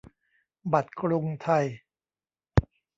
บัตรกรุงไทย